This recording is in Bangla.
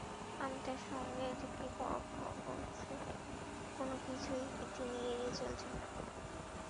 আমি তাঁর সঙ্গে থেকে পরখ করছি কোনো কিছুই তিনি এড়িয়ে চলছেন না।